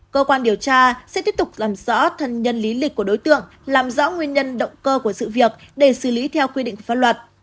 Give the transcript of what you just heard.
cơ quan điều tra sẽ tiếp tục làm rõ thân nhân lý lịch của đối tượng làm rõ nguyên nhân động cơ của sự việc để xử lý theo quy định của pháp luật